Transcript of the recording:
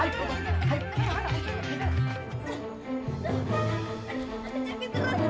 udah lu kesenau bareng